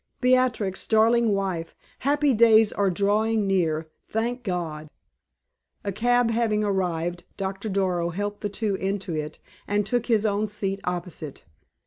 Beatrix, darling wife, happy days are drawing near, thank God!" A cab having arrived, Doctor Darrow helped the two into it, and took his own seat opposite.